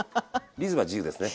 リズムは自由ですね。